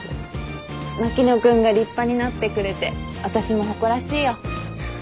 牧野君が立派になってくれて私も誇らしいよ。